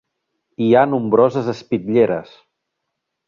Hi ha nombroses espitlleres.